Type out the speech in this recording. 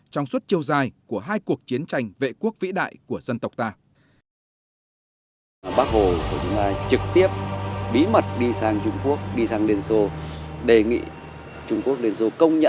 trong suốt chiều dài của hai cuộc chiến tranh vệ quốc vĩ đại của dân tộc ta